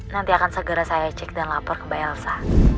nanti akan segera saya cek dan lapor ke mbak elsa